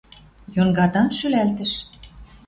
Йонгатан шӱлӓлтӹш: